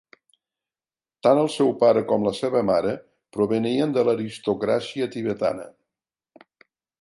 Tant el seu pare com la seva mare provenien de l'aristocràcia tibetana.